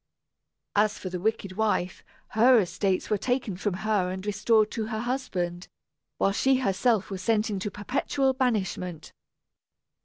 As for the wicked wife, her estates were taken from her and restored to her husband, while she herself was sent into perpetual banishment.